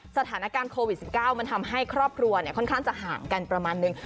สถานการณ์โควิด๑๙มันทำให้ครอบครัวค่อนข้างจะห่างกันประมาณนึง